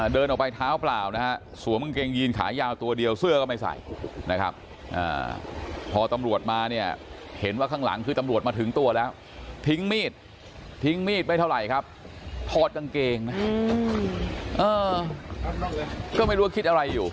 เดินออกไปเท้าเปล่านะฮะสวมกางเกงยีนขายาวตัวเดียวเสื้อก็ไม่ใส่นะครับพอตำรวจมาเนี่ยเห็นว่าข้างหลังคือตำรวจมาถึงตัวแล้วทิ้งมีดทิ้งมีดไม่เท่าไหร่ครับทอดกางเกงนะก็ไม่รู้คิดอะไรอยู่